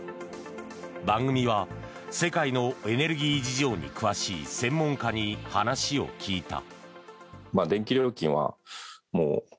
番組は世界のエネルギー事情に詳しい専門家に話を聞いた。